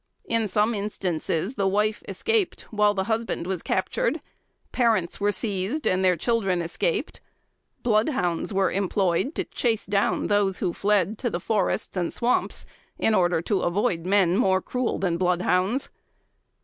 In some instances the wife escaped, while the husband was captured. Parents were seized, and their children escaped. Bloodhounds were employed to chase down those who fled to the forests and swamps, in order to avoid men more cruel than bloodhounds.